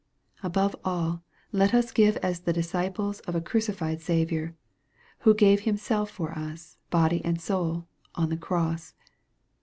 Above all let us give as the disciples of a crucified Saviour, who gave Himself for us, body and soul, on the cross.